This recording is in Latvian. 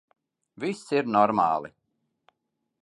Viss ir normāli.